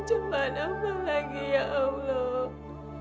cobaan apalagi ya allah